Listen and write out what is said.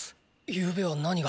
ゆうべは何が？